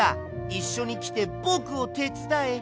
いっしょにきてぼくをてつだえ！